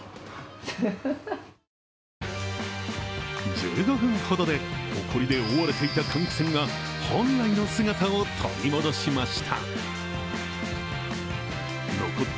１５分ほどで、ほこりで覆われていた換気扇が本来の姿を取り戻しました。